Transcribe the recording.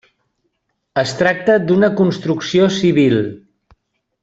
Es tracta d'una construcció civil.